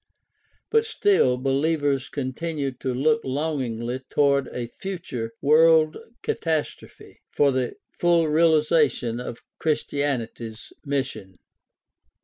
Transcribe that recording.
But still believers con tinued to look longingly toward a future world catastrophe for the full realization of Christianity's mission.